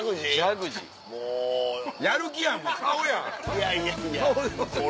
いやいやいや。